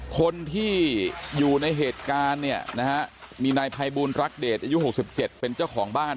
คนที่อยู่ในเหตุการณ์เนี่ยนะฮะมีนายภัยบูลรักเดชอายุ๖๗เป็นเจ้าของบ้าน